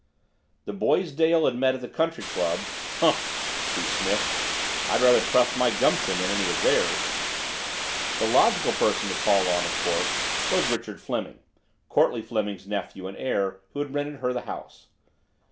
The boys Dale had met at the country club "Humph!" she sniffed, "I'd rather trust my gumption than any of theirs." The logical person to call on, of course, was Richard Fleming, Courtleigh Fleming's nephew and heir, who had rented her the house.